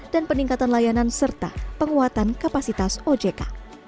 dan peningkatan layanan serta penguatan kapasitas ojk